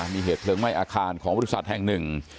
มีเหตุเพลิงไหม้อาคารของบริษัทแห่งหนึ่ง